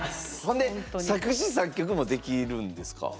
そんで作詞・作曲もできるんですか？